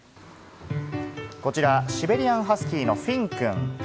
こちらシベリアンハスキーのフィンくん。